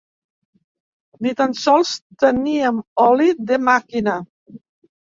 Ni tan sols teníem oli de màquina.